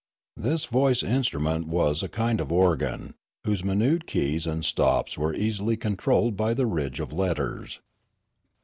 This voice instrument was a kind of organ, whose minute keys and stops were easily controlled by the ridge of letters.